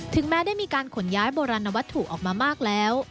แม้ได้มีการขนย้ายโบราณวัตถุออกมามากแล้ว